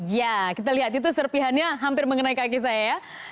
ya kita lihat itu serpihannya hampir mengenai kaki saya ya